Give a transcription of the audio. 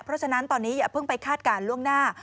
เพราะฉะนั้นตอนนี้อย่าเพิ่งไปคาดการณ์ล่วงหน้า